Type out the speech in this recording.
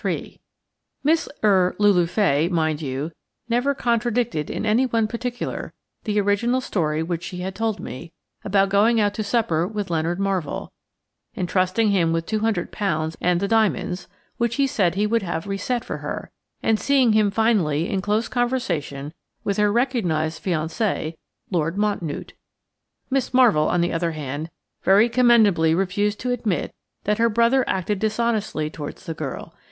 3 MISS–ER–LULU FAY, mind you, never contradicted in any one particular the original story which she had told me, about going out to supper with Leonard Marvell, entrusting him with £200 and the diamonds, which he said he would have reset for her, and seeing him finally in close conversation with her recognised fiancé, Lord Mountnewte. Miss Marvell, on the other hand, very commendably refused to admit that her brother acted dishonestly towards the girl.